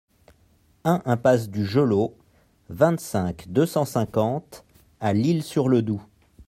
un impasse du Gelot, vingt-cinq, deux cent cinquante à L'Isle-sur-le-Doubs